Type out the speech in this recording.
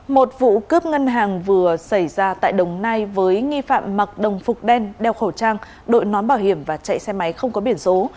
một vụ cướp ngân hàng vừa xảy ra tại đồng nai với nghi phạm mặc đồng phục đen đeo khẩu trang đội nón bảo hiểm và chạy xe máy không có biển số